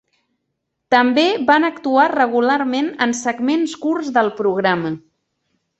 També van actuar regularment en segments curts del programa.